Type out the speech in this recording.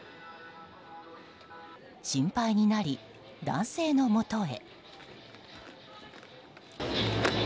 心配になり男性のもとへ。